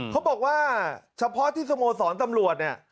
เขาบอกว่าเฉพาะที่สมสรรค์สำรวจ